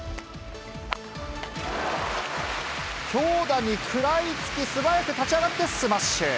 強打に食らいつき、素早く立ち上がってスマッシュ。